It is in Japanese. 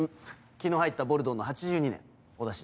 昨日入ったボルドーの８２年お出しして。